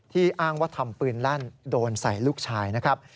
อ้างว่าทำปืนลั่นโดนใส่ลูกชายนะครับ